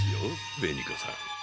紅子さん。